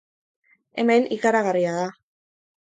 Hemen, ikaragarria da!